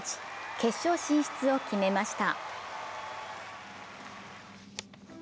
決勝進出を決めました。